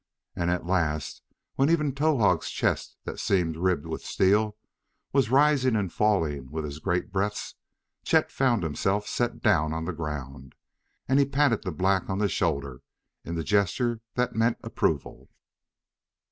And at last when even Towahg's chest that seemed ribbed with steel, was rising and falling with his great breaths, Chet found himself set down on the ground, and he patted the black on the shoulder in the gesture that meant approval.